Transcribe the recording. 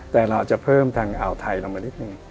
แต่เราอาจจะเพิ่มทางอ่าวไทยลงมานิดนึง